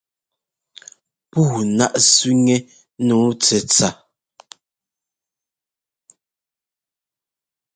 Puu náʼ sẅiŋɛ́ nǔu tsɛtsa.